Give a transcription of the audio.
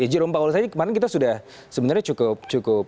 jerome powell tadi kemarin kita sudah cukup